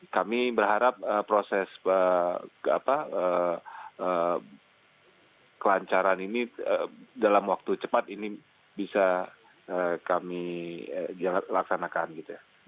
kami berharap proses kelancaran ini dalam waktu cepat ini bisa kami laksanakan gitu ya